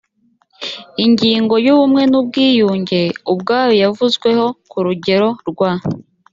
ingingo y ubumwe n ubwiyunge ubwayo yavuzweho ku rugero rwa